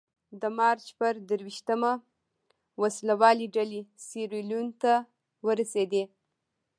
د مارچ په درویشتمه وسله والې ډلې سیریلیون ته ورسېدې.